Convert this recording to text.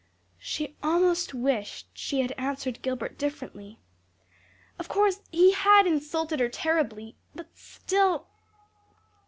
She almost wished she had answered Gilbert differently. Of course, he had insulted her terribly, but still